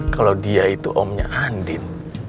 kalau dia itu omnya andin